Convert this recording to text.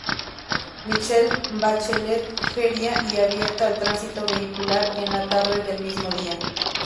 Michelle Bachelet Jeria, y abierta al tránsito vehicular en la tarde del mismo día.